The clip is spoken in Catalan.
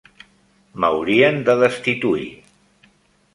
M'haurien de destituir.